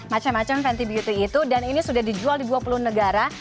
macam macam venti beauty itu dan ini sudah dijual di dua puluh negara